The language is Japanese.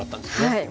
はい。